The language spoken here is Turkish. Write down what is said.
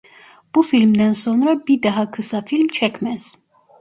Bu filmden sonra bir daha kısa film çekmez.